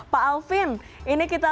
pak alvin ini kita